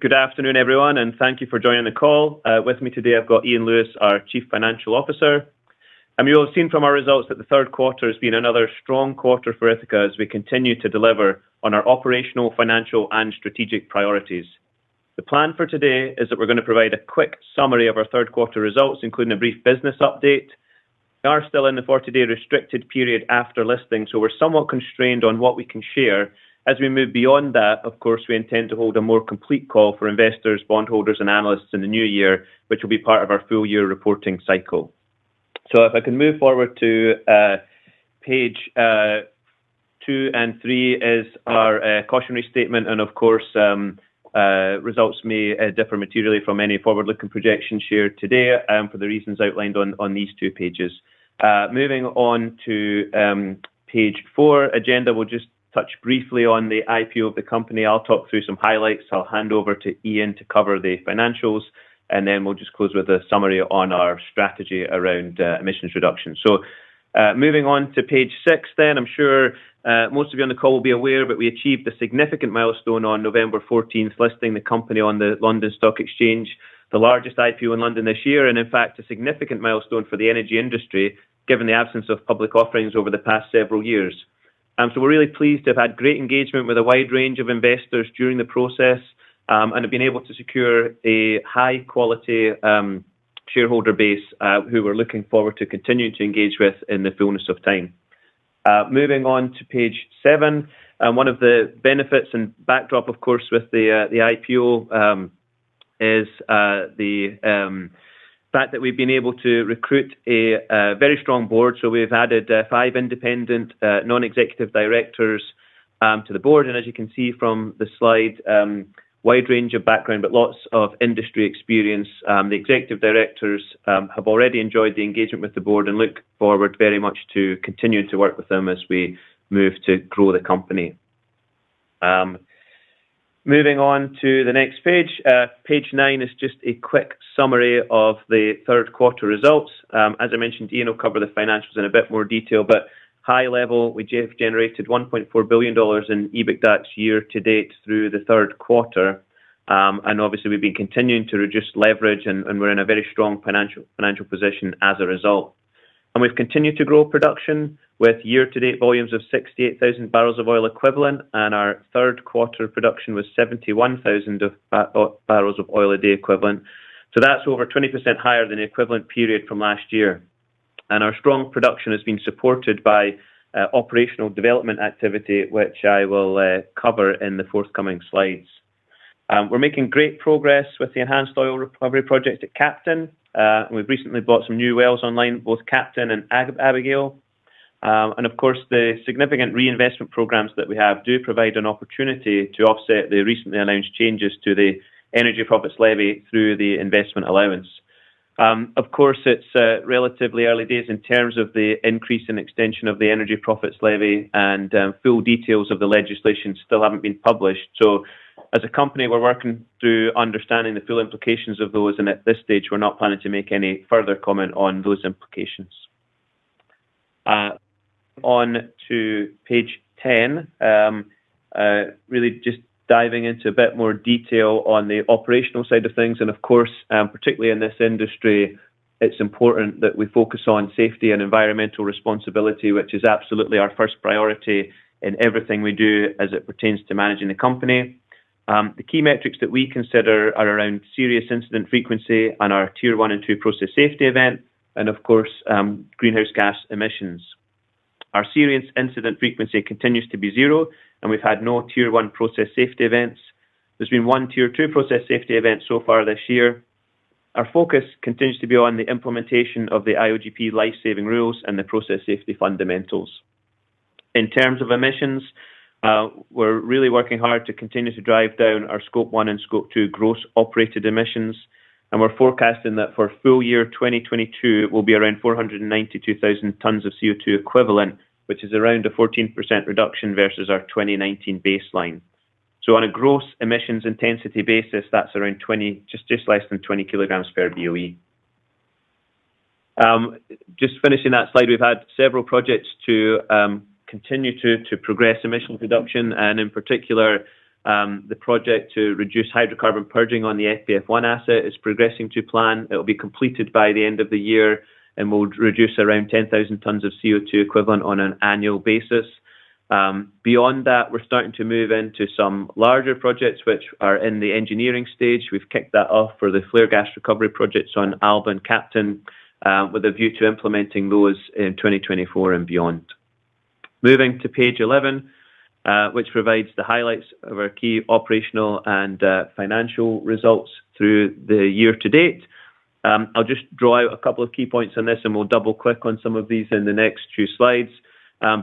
Good afternoon, everyone, and thank you for joining the call. With me today, I've got Iain Lewis, our chief financial officer. You will have seen from our results that the third quarter has been another strong quarter for Ithaca as we continue to deliver on our operational, financial, and strategic priorities. The plan for today is that we're gonna provide a quick summary of our third quarter results, including a brief business update. We are still in the 40-day restricted period after listing, so we're somewhat constrained on what we can share. As we move beyond that, of course, we intend to hold a more complete call for investors, bondholders, and analysts in the new year, which will be part of our full-year reporting cycle. If I can move forward to page two and three is our cautionary statement. Of course, results may differ materially from any forward-looking projections shared today, for the reasons outlined on these two pages. Moving on to page four, agenda, we'll just touch briefly on the IPO of the company. I'll talk through some highlights. I'll hand over to Iain to cover the financials. Then we'll just close with a summary on our strategy around emissions reduction. Moving on to page six then. I'm sure most of you on the call will be aware that we achieved a significant milestone on November 14th, listing the company on the London Stock Exchange, the largest IPO in London this year, and in fact, a significant milestone for the energy industry, given the absence of public offerings over the past several years. We're really pleased to have had great engagement with a wide range of investors during the process, and have been able to secure a high-quality shareholder base, who we're looking forward to continuing to engage with in the fullness of time. Moving on to page seven. One of the benefits and backdrop, of course, with the IPO, is the fact that we've been able to recruit a very strong board. We've added five independent non-executive directors to the board. As you can see from the slide, wide range of background, but lots of industry experience. The executive directors have already enjoyed the engagement with the board and look forward very much to continuing to work with them as we move to grow the company. Moving on to the next page. Page 9 is just a quick summary of the third quarter results. As I mentioned, Iain will cover the financials in a bit more detail. High level, we generated $1.4 billion in EBITDA year-to-date through the third quarter. Obviously, we've been continuing to reduce leverage, and we're in a very strong financial position as a result. We've continued to grow production with year-to-date volumes of 68,000 barrels of oil equivalent, and our third quarter production was 71,000 barrels of oil a day equivalent. That's over 20% higher than the equivalent period from last year. Our strong production has been supported by operational development activity, which I will cover in the forthcoming slides. We're making great progress with the enhanced oil recovery project at Captain. We've recently brought some new wells online, both Captain and Abigail. Of course, the significant reinvestment programs that we have do provide an opportunity to offset the recently announced changes to the Energy Profits Levy through the investment allowance. Of course, it's relatively early days in terms of the increase in extension of the Energy Profits Levy and full details of the legislation still haven't been published. As a company, we're working through understanding the full implications of those, and at this stage, we're not planning to make any further comment on those implications. On to page 10. Really just diving into a bit more detail on the operational side of things. Of course, particularly in this industry, it's important that we focus on safety and environmental responsibility, which is absolutely our first priority in everything we do as it pertains to managing the company. The key metrics that we consider are around serious incident frequency and our Tier 1 and 2 process safety event, and of course, greenhouse gas emissions. Our serious incident frequency continues to be zero, and we've had no Tier 1 process safety events. There's been 1 Tier 2 process safety event so far this year. Our focus continues to be on the implementation of the IOGP Life-Saving Rules and the Process Safety Fundamentals. In terms of emissions, we're really working hard to continue to drive down our Scope 1 and Scope 2 gross operated emissions. We're forecasting that for full-year 2022, it will be around 492,000 tons of CO₂ equivalent, which is around a 14% reduction versus our 2019 baseline. On a gross emissions intensity basis, that's around 20, just less than 20 kilograms per BOE. Just finishing that slide, we've had several projects to continue to progress emission reduction, and in particular, the project to reduce hydrocarbon purging on the FPF-1 asset is progressing to plan. It will be completed by the end of the year and will reduce around 10,000 tons of CO₂ equivalent on an annual basis. Beyond that, we're starting to move into some larger projects which are in the engineering stage. We've kicked that off for the flare gas recovery projects on Alba and Captain with a view to implementing those in 2024 and beyond. Moving to page 11, which provides the highlights of our key operational and financial results through the year to date. I'll just draw out a couple of key points on this, and we'll double-click on some of these in the next two slides.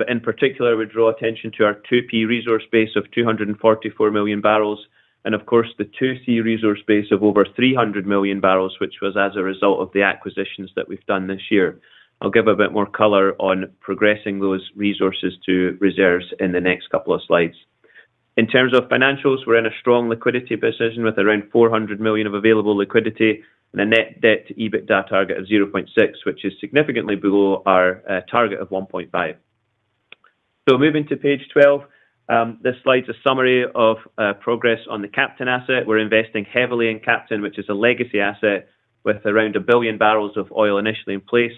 In particular, we draw attention to our 2P resource base of 244 million barrels, and of course, the 2C resource base of over 300 million barrels, which was as a result of the acquisitions that we've done this year. I'll give a bit more color on progressing those resources to reserves in the next couple of slides. In terms of financials, we're in a strong liquidity position with around $400 million of available liquidity and a net debt to EBITDA target of 0.6, which is significantly below our target of 1.5. Moving to page 12. This slide's a summary of progress on the Captain asset. We're investing heavily in Captain, which is a legacy asset with around 1 billion barrels of oil initially in place.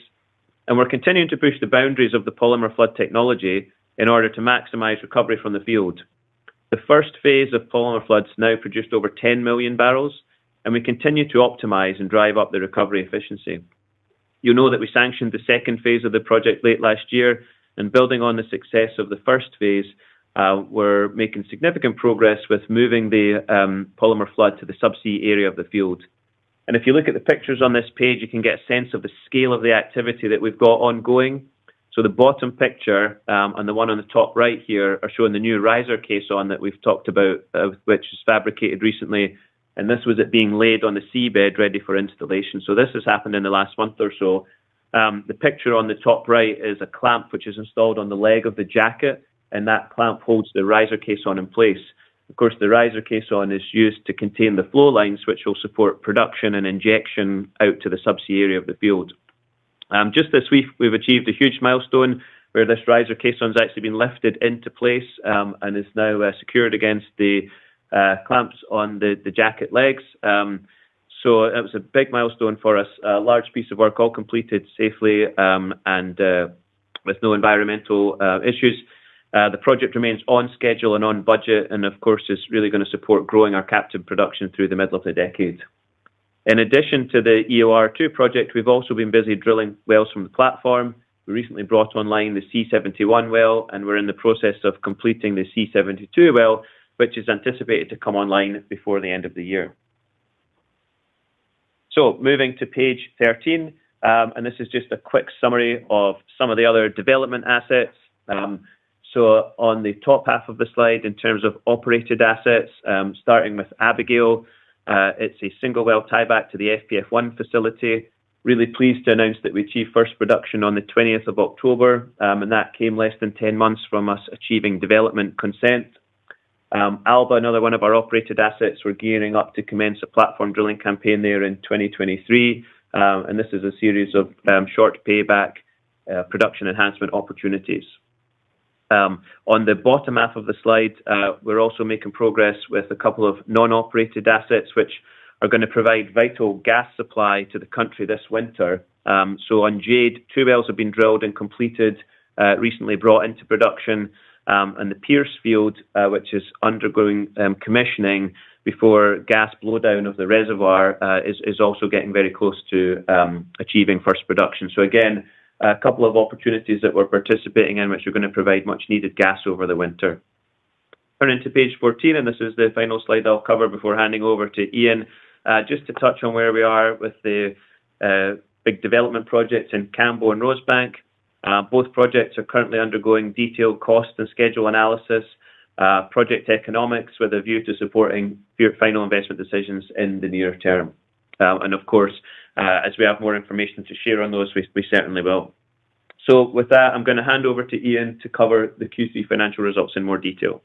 We're continuing to push the boundaries of the polymer flood technology in order to maximize recovery from the field. The first phase of polymer floods now produced over 10 million barrels, and we continue to optimize and drive up the recovery efficiency. You know that we sanctioned the second phase of the project late last year, and building on the success of the first phase, we're making significant progress with moving the polymer flood to the subsea area of the field. If you look at the pictures on this page, you can get a sense of the scale of the activity that we've got ongoing. The bottom picture, and the one on the top right here are showing the new riser caisson that we've talked about, of which is fabricated recently, and this was it being laid on the seabed ready for installation. This has happened in the last month or so. The picture on the top right is a clamp, which is installed on the leg of the jacket, and that clamp holds the riser caisson in place. Of course, the riser caisson is used to contain the flow lines, which will support production and injection out to the subsea area of the field. Just this week, we've achieved a huge milestone where this riser caisson has actually been lifted into place, and is now secured against the clamps on the jacket legs. It was a big milestone for us. A large piece of work all completed safely, and with no environmental issues. The project remains on schedule and on budget, of course, it's really gonna support growing our Captain production through the middle of the decade. In addition to the EOR-2 project, we've also been busy drilling wells from the platform. We recently brought online the C-71 well, we're in the process of completing the C-72 well, which is anticipated to come online before the end of the year. Moving to page 13, this is just a quick summary of some of the other development assets. On the top half of the slide, in terms of operated assets, starting with Abigail, it's a single well tieback to the FPF-1 facility. Really pleased to announce that we achieved first production on the 20th of October, that came less than 10 months from us achieving development consent. Alba, another one of our operated assets, we're gearing up to commence a platform drilling campaign there in 2023, this is a series of short payback production enhancement opportunities. On the bottom half of the slide, we're also making progress with a couple of non-operated assets, which are gonna provide vital gas supply to the country this winter. On Jade, two wells have been drilled and completed, recently brought into production, the Pierce Field, which is undergoing commissioning before gas blowdown of the reservoir, is also getting very close to achieving first production. Again, a couple of opportunities that we're participating in which are gonna provide much needed gas over the winter. Turning to page 14, this is the final slide I'll cover before handing over to Iain, just to touch on where we are with the big development projects in Cambo and Rosebank. Both projects are currently undergoing detailed cost and schedule analysis, project economics with a view to supporting your final investment decisions in the near term. Of course, as we have more information to share on those, we certainly will. With that, I'm gonna hand over to Iain to cover the Q3 financial results in more detail.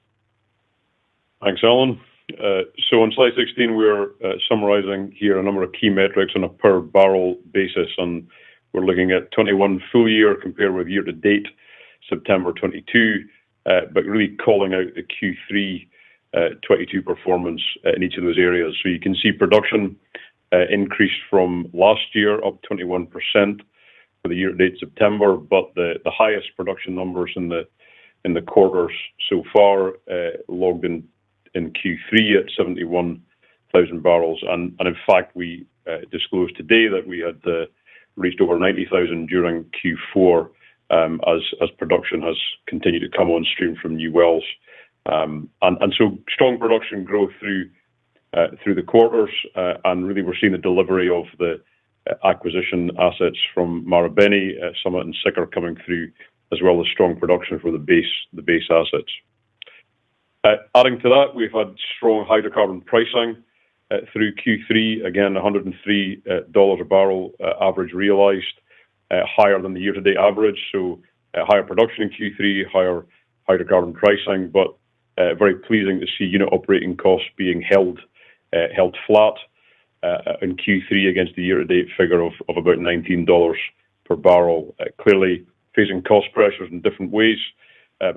Thanks, Alan. On slide 16, we're summarizing here a number of key metrics on a per barrel basis, and we're looking at 2021 full year compared with year to date, September 2022, but really calling out the Q3 2022 performance in each of those areas. You can see production increased from last year, up 21% for the year to date September, but the highest production numbers in the quarters so far, logged in Q3 at 71,000 barrels. In fact, we disclosed today that we had reached over 90,000 during Q4 as production has continued to come on stream from new wells. Strong production growth through the quarters, and we're seeing the delivery of the acquisition assets from Marubeni, Summit and Siccar coming through, as well as strong production for the base assets. Adding to that, we've had strong hydrocarbon pricing through Q3, again, $103 a barrel average realized, higher than the year-to-date average. A higher production in Q3, higher hydrocarbon pricing, very pleasing to see unit operating costs being held flat in Q3 against the year-to-date figure of about $19 per barrel. Clearly facing cost pressures in different ways,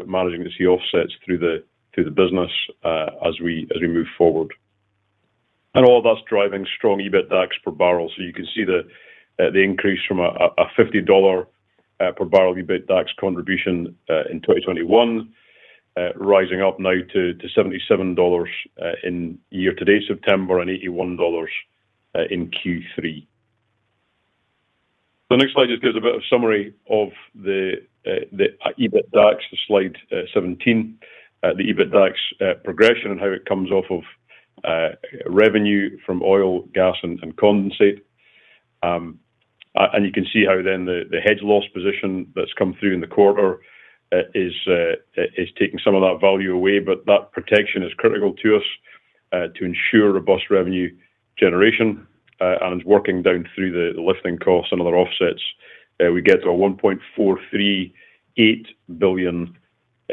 managing to see offsets through the business as we move forward. All that's driving strong EBITDAX per barrel. You can see the increase from a $50 per barrel EBITDAX contribution in 2021, rising up now to $77 in year-to-date September and $81 in Q3. The next slide just gives a bit of summary of the EBITDAX, the slide 17. The EBITDAX progression and how it comes off of revenue from oil, gas, and condensate. You can see how then the hedge loss position that's come through in the quarter is taking some of that value away. That protection is critical to us to ensure robust revenue generation and it's working down through the lifting costs and other offsets. We get to a $1.438 billion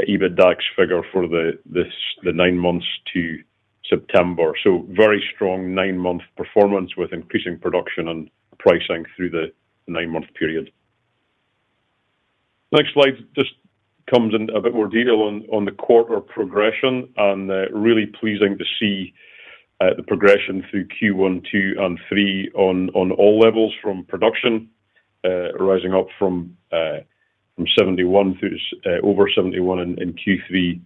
EBITDAX figure for the nine months to September. Very strong nine-month performance with increasing production and pricing through the nine-month period. Next slide just comes in a bit more detail on the quarter progression, really pleasing to see the progression through Q1, Q2, and Q3 on all levels from production, rising up from from 71 through to over 71 in Q3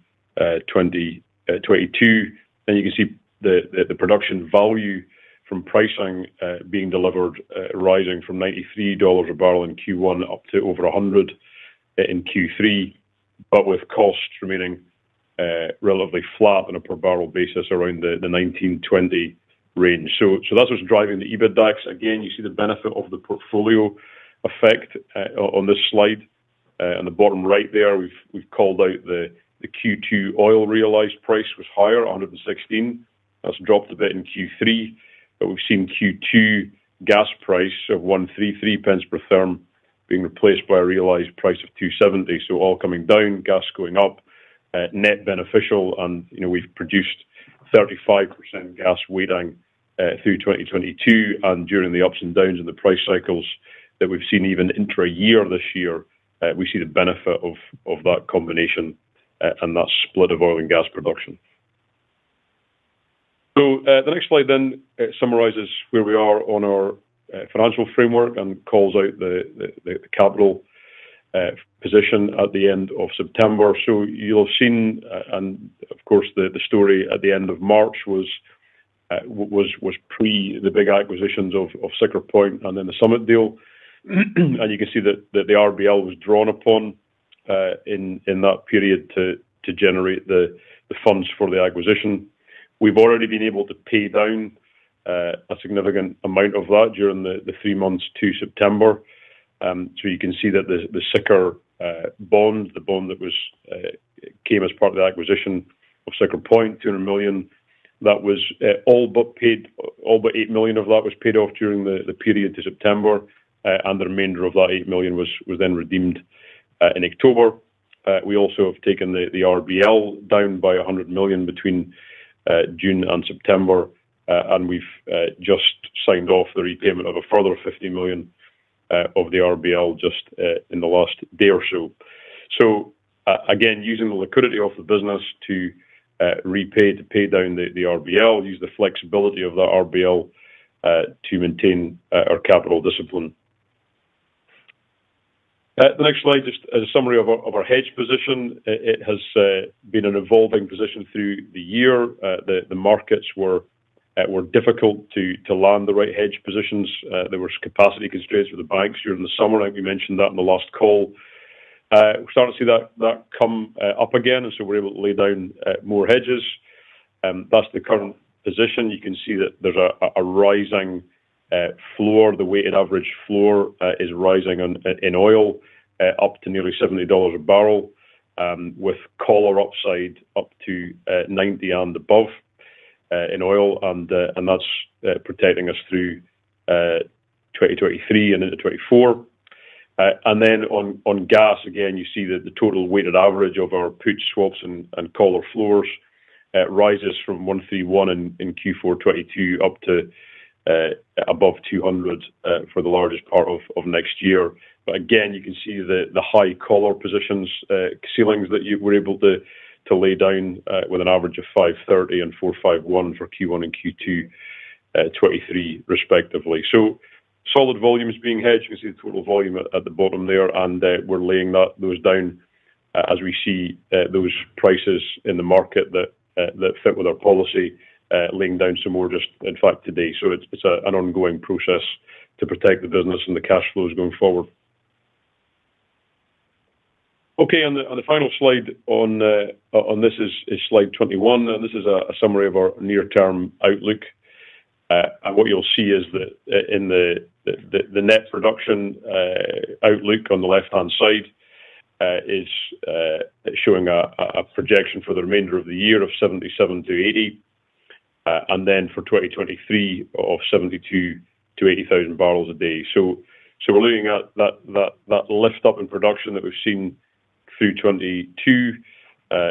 2022. You can see the production value from pricing being delivered, rising from $93 a barrel in Q1 up to over 100 in Q3, with costs remaining relatively flat on a per barrel basis around the $19-$20 range. That's what's driving the EBITDAX. Again, you see the benefit of the portfolio effect on this slide. On the bottom right there, we've called out the Q2 oil realized price was higher, 116. That's dropped a bit in Q3. We've seen Q2 gas price of 133 pence per therm being replaced by a realized price of 270. All coming down, gas going up, net beneficial. You know, we've produced 35% gas weighting through 2022. During the ups and downs in the price cycles that we've seen even intra-year this year, we see the benefit of that combination and that split of oil and gas production. The next slide then summarizes where we are on our financial framework and calls out the capital position at the end of September. You'll have seen, and of course, the story at the end of March was pre the big acquisitions of Siccar Point and then the Summit deal. You can see that the RBL was drawn upon in that period to generate the funds for the acquisition. We've already been able to pay down a significant amount of that during the three months to September. You can see that the Siccar bond, the bond that came as part of the acquisition of Siccar Point, $200 million. That was all but paid, all but $8 million of that was paid off during the period to September. The remainder of that $8 million was then redeemed in October. We also have taken the RBL down by $100 million between June and September. We've just signed off the repayment of a further $50 million of the RBL just in the last day or so. Again, using the liquidity of the business to repay, to pay down the RBL, use the flexibility of the RBL to maintain our capital discipline. The next slide, just as a summary of our hedge position. It has been an evolving position through the year. The markets were difficult to land the right hedge positions. There was capacity constraints with the banks during the summer. I think we mentioned that in the last call. We're starting to see that come up again. We're able to lay down more hedges. That's the current position. You can see that there's a rising floor. The weighted average floor is rising on in oil up to nearly $70 a barrel with collar upside up to 90 and above in oil. That's protecting us through 2023 and into 2024. On, on gas, again, you see that the total weighted average of our put swaps and collar floors, rises from 131 in Q4 2022 up to, above 200, for the largest part of next year. Again, you can see the high collar positions, ceilings that you were able to lay down, with an average of 530 and 451 for Q1 and Q2 2023 respectively. Solid volumes being hedged. You can see the total volume at the bottom there. We're laying that, those down as we see, those prices in the market that fit with our policy, laying down some more just in fact today. It's an ongoing process to protect the business and the cash flows going forward. On the final slide on this is slide 21. This is a summary of our near-term outlook. What you'll see is that in the net production outlook on the left-hand side is showing a projection for the remainder of the year of 77-80, and then for 2023 of 72,000-80,000 barrels a day. We're looking at that lift up in production that we've seen through 2022,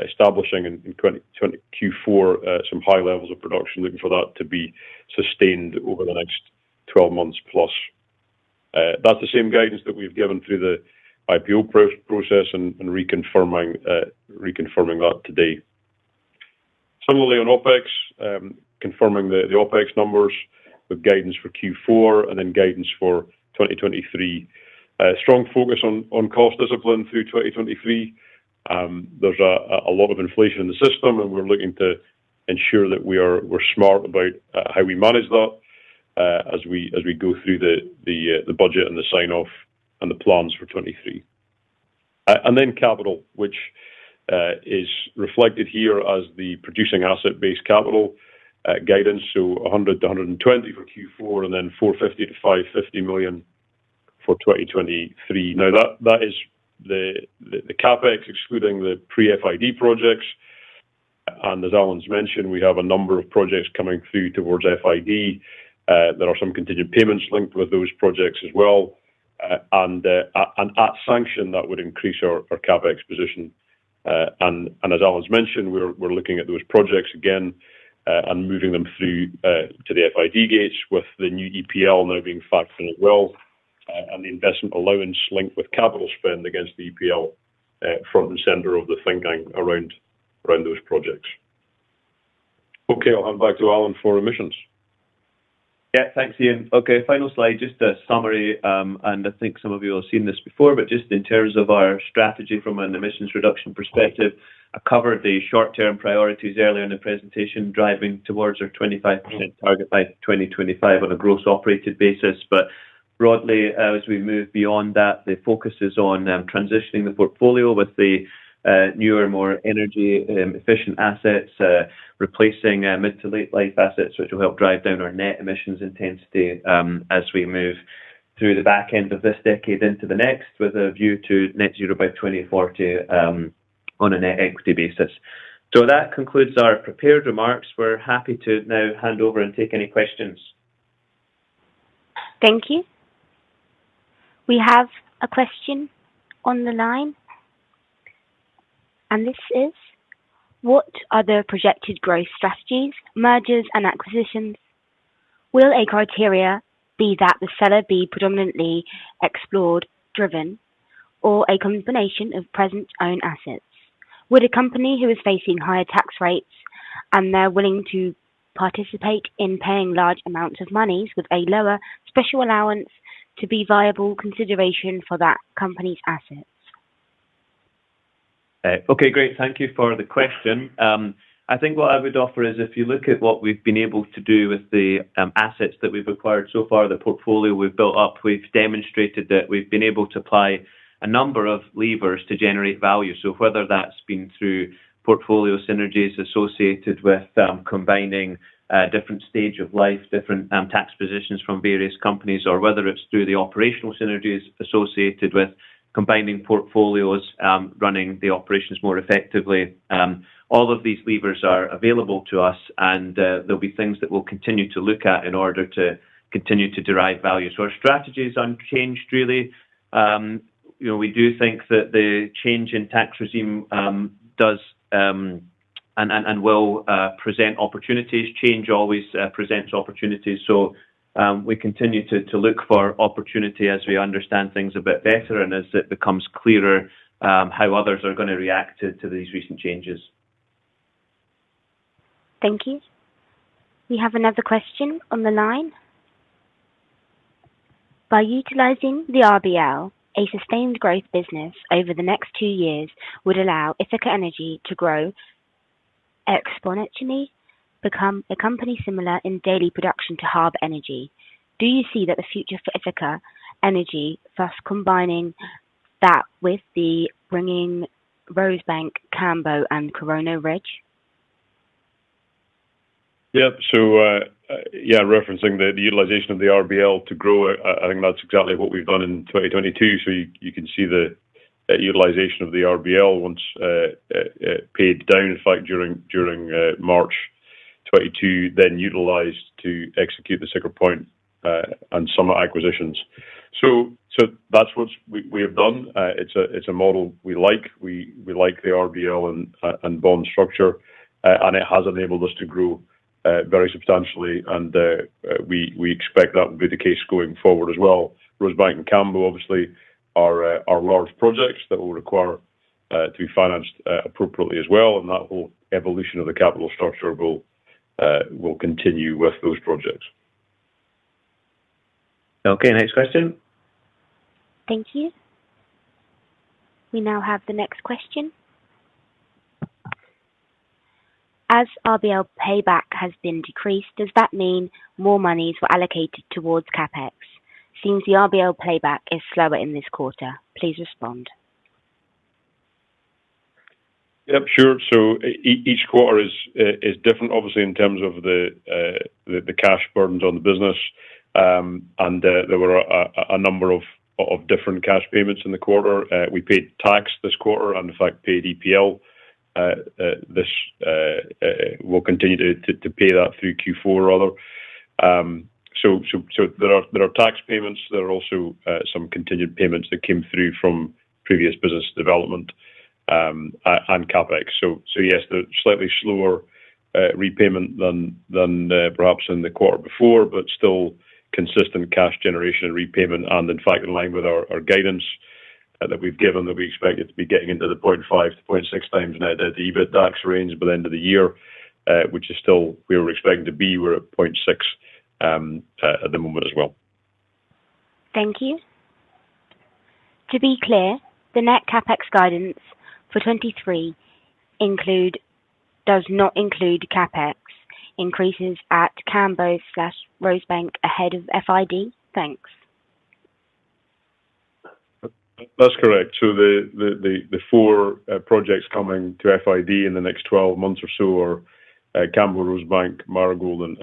establishing in 2020 Q4 some high levels of production, looking for that to be sustained over the next 12 months plus. That's the same guidance that we've given through the IPO process and reconfirming that today. Similarly, on OpEx, confirming the OpEx numbers with guidance for Q4 and then guidance for 2023. Strong focus on cost discipline through 2023. There's a lot of inflation in the system, and we're looking to ensure that we're smart about how we manage that as we go through the budget and the sign-off and the plans for 2023. And then capital, which is reflected here as the producing asset-based capital guidance. $100 million-$120 million for Q4 and then $450 million-$550 million for 2023. That is the CapEx excluding the pre-FID projects. As Alan's mentioned, we have a number of projects coming through towards FID. There are some contingent payments linked with those projects as well. And at sanction that would increase our CapEx position. As Alan's mentioned, we're looking at those projects again, and moving them through to the FID gates with the new EPL now being factored in as well, and the investment allowance linked with capital spend against the EPL, front and center of the thinking around those projects. I'll hand back to Alan for emissions. Yeah. Thanks, Iain. Okay, final slide, just a summary. I think some of you have seen this before, just in terms of our strategy from an emissions reduction perspective, I covered the short-term priorities earlier in the presentation, driving towards our 25% target by 2025 on a gross operated basis. Broadly, as we move beyond that, the focus is on transitioning the portfolio with the newer, more energy efficient assets, replacing mid to late life assets, which will help drive down our net emissions intensity as we move through the back end of this decade into the next, with a view to Net Zero by 2040 on a net equity basis. That concludes our prepared remarks. We're happy to now hand over and take any questions. Thank you. We have a question on the line, and this is, what are the projected growth strategies, mergers, and acquisitions? Will a criteria be that the seller be predominantly explored, driven, or a combination of present own assets? Would a company who is facing higher tax rates and they're willing to participate in paying large amounts of monies with a lower special allowance to be viable consideration for that company's assets? Okay, great. Thank you for the question. I think what I would offer is if you look at what we've been able to do with the assets that we've acquired so far, the portfolio we've built up, we've demonstrated that we've been able to apply a number of levers to generate value. Whether that's been through portfolio synergies associated with combining different stage of life, different tax positions from various companies, or whether it's through the operational synergies associated with combining portfolios, running the operations more effectively. All of these levers are available to us and they'll be things that we'll continue to look at in order to continue to derive value. Our strategy is unchanged really. You know, we do think that the change in tax regime does and will present opportunities. Change always presents opportunities. We continue to look for opportunity as we understand things a bit better and as it becomes clearer, how others are gonna react to these recent changes. Thank you. We have another question on the line. By utilizing the RBL, a sustained growth business over the next two years would allow Ithaca Energy to grow exponentially, become a company similar in daily production to Harbour Energy. Do you see that the future for Ithaca Energy, thus combining that with the bringing Rosebank, Cambo, and Corona Ridge? Yep. Yeah, referencing the utilization of the RBL to grow, I think that's exactly what we've done in 2022. You can see that utilization of the RBL once paid down, in fact, during March 2022, then utilized to execute the Siccar Point and Summit acquisitions. That's what we have done. It's a model we like. We like the RBL and bond structure. It has enabled us to grow very substantially, and we expect that will be the case going forward as well. Rosebank and Cambo obviously are large projects that will require to be financed appropriately as well, and that whole evolution of the capital structure will continue with those projects. Okay, next question. Thank you. We now have the next question. As RBL payback has been decreased, does that mean more monies were allocated towards CapEx? Seems the RBL payback is slower in this quarter. Please respond. Yep, sure. Each quarter is different obviously in terms of the cash burdens on the business. There were a number of different cash payments in the quarter. We paid tax this quarter and in fact paid EPL. This will continue to pay that through Q4 rather. There are tax payments. There are also some continued payments that came through from previous business development and CapEx. Yes, the slightly slower repayment than perhaps in the quarter before, but still consistent cash generation repayment, and in fact in line with our guidance that we've given, that we expect it to be getting into the 0.5x to 0.6x net, the EBITDAX range by the end of the year, which is still where we're expecting to be. We're at 0.6 at the moment as well. Thank you. To be clear, the net CapEx guidance for 2023 does not include CapEx increases at Cambo slash Rosebank ahead of FID? Thanks. That's correct. The four projects coming to FID in the next 12 months or so are Cambo, Rosebank, Marigold, and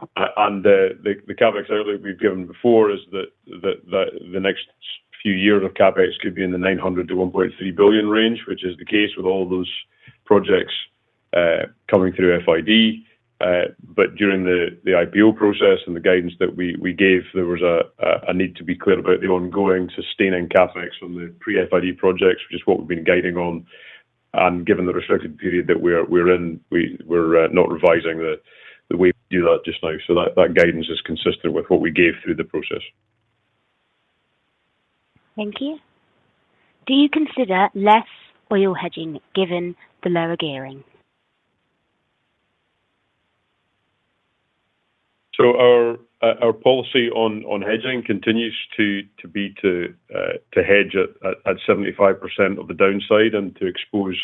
Fotla. The CapEx earlier we've given before is that the next few years of CapEx could be in the $900 million-$1.3 billion range, which is the case with all those projects coming through FID. During the IPO process and the guidance that we gave, there was a need to be clear about the ongoing sustaining CapEx from the pre-FID projects, which is what we've been guiding on. Given the restricted period that we're in, we're not revising the way we do that just now. That guidance is consistent with what we gave through the process. Thank you. Do you consider less oil hedging given the lower gearing? Our policy on hedging continues to be to hedge at 75% of the downside and to expose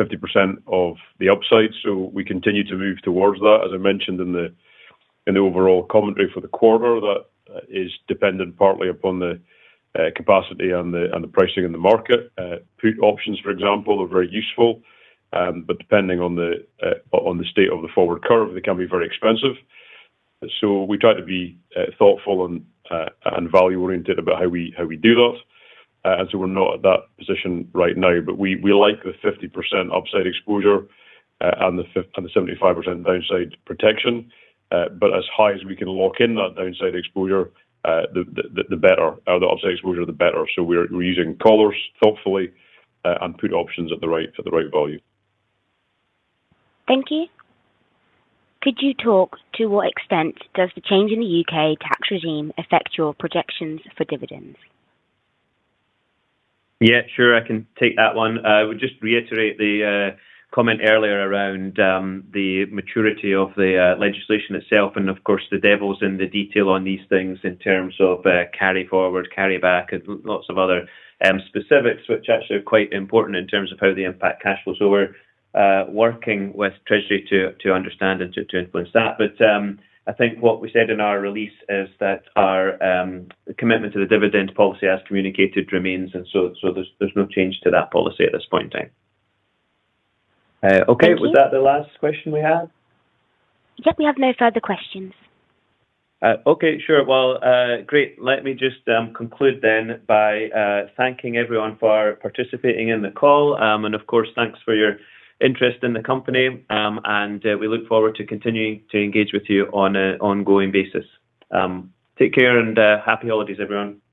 50% of the upside. We continue to move towards that. As I mentioned in the overall commentary for the quarter, that is dependent partly upon the capacity and the pricing in the market. Put options, for example, are very useful, but depending on the state of the forward curve, they can be very expensive. We try to be thoughtful and value-oriented about how we do that. We're not at that position right now. We like the 50% upside exposure and the 75% downside protection. As high as we can lock in that downside exposure, the better. The upside exposure, the better. We're using collars thoughtfully and put options for the right value. Thank you. Could you talk to what extent does the change in the U.K. tax regime affect your projections for dividends? Yeah, sure. I can take that one. I would just reiterate the comment earlier around the maturity of the legislation itself, and of course, the devil's in the detail on these things in terms of carry forward, carry back, and lots of other specifics, which actually are quite important in terms of how they impact cash flow. We're working with Treasury to understand and to influence that. I think what we said in our release is that our commitment to the dividend policy as communicated remains. There's no change to that policy at this point in time. Okay. Thank you. Was that the last question we have? Yes, we have no further questions. Okay. Sure. Well, great. Let me just conclude then by thanking everyone for participating in the call. Of course, thanks for your interest in the company. We look forward to continuing to engage with you on an ongoing basis. Take care and happy holidays, everyone.